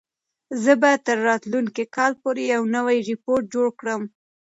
زه به تر راتلونکي کال پورې یو نوی روبوټ جوړ کړم.